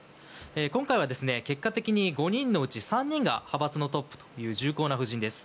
今回は結果的に５人のうち３人が派閥のトップという重厚な布陣です。